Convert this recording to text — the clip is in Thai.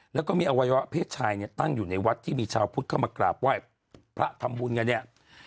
แล้วก็มีอวัยวะเพศชายเนี่ยตั้งอยู่ในวัดที่มีชาวพุทธเข้ามากราบไหว้พระทำบุญกันเนี่ย